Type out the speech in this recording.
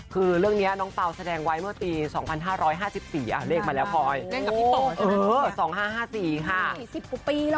คือเรื่องเนี่ยน้องเปล่าแสดงไว้เมื่อปี๒๕๕๔เลขมาแล้วพรอย๒๕๕๔ค่ะ